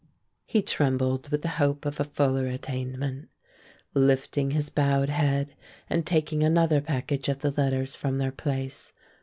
He trembled with the hope of a fuller attainment, lifting his bowed head and taking another package of the letters from their place.